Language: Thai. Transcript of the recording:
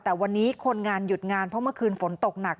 แต่วันนี้คนงานหยุดงานเพราะเมื่อคืนฝนตกหนัก